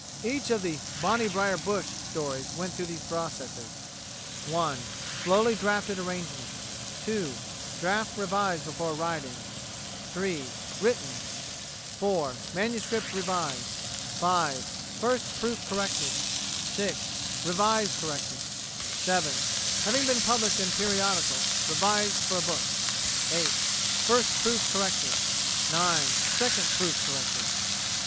... Each of the 'Bonnie Brier Bush' stories went through these processes: (1) Slowly drafted arrangement; (2) draft revised before writing; (3) written; (4) manuscript revised; (5) first proof corrected; (6) revise corrected; (7) having been published in a periodical, revised for book; (8) first proof corrected; (9) second proof corrected."